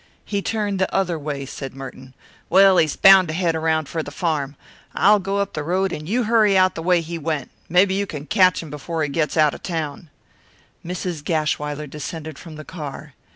"He turned the other way," said Merton. "Well, he's bound to head around for the farm. I'll go up the road and you hurry out the way he went. Mebbe you can catch him before he gets out of town." Mrs. Gashwiler descended from the car.